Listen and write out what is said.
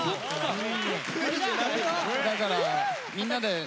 だからみんなでね